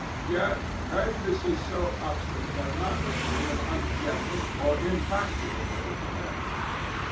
Yet prejudices so obstinate have not made him an ungentle or impracticable companion.